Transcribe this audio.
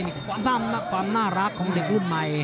นั่นความน่ารักของเด็กรุ่นใหม่